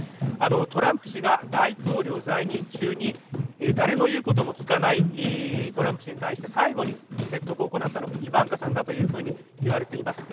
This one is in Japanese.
トランプ氏が大統領在任中に、誰の言うことも聞かないトランプ氏に対して最後に説得を行ったのがイヴァンカさんだと言われています。